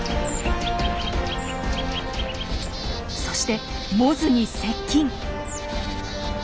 そしてモズに接近。